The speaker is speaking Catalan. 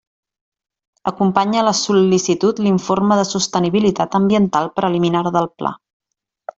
Acompanya la sol·licitud l'informe de sostenibilitat ambiental preliminar del Pla.